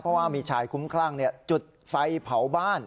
เพราะว่ามีชายคุ้มคลั่งจุดไฟเผาบ้าน